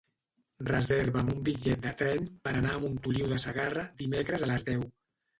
Reserva'm un bitllet de tren per anar a Montoliu de Segarra dimecres a les deu.